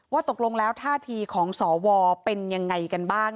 ตกลงแล้วท่าทีของสวเป็นยังไงกันบ้าง